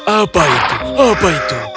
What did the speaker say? apa itu apa itu